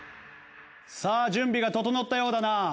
さあ準備が整ったようだな。